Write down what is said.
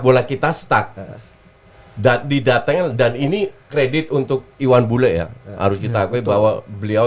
bola kita stuck dan didatenya dan ini kredit untuk iwan bule ya harus kita akui bahwa beliau